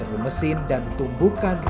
tergumesin dan tumbuhkan rakyat